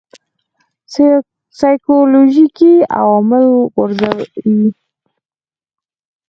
سایکولوژیکي عوامل غورځوي.